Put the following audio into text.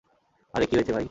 আরে, কি হয়েছে ভাই?